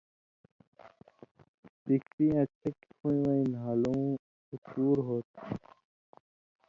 بېکسیں اڅھکیۡ خُویں وَیں نھالُوں اُو تُور ہو تُھو۔